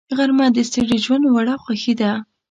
غرمه د ستړي ژوند وړه خوښي ده